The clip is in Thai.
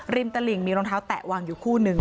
ริมตะหลิงมีรองเท้าแตะวางอยู่คู่นึง